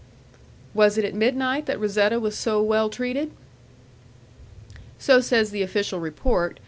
"Was it at midnight that Razetta was so well treated?" "So says the official report.